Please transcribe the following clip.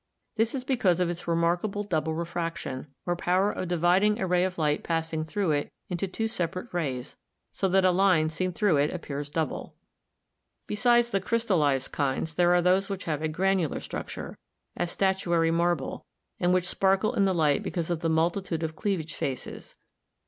This is because of its remarkable dou ble refraction, or power of dividing a ray of light passing through it into two separate rays, so that a line seen through it appears double. Besides the crystallized kinds there are those which have a granular struture, as statuary marble, and which sparkle in the light because of the multitude of cleavage faces.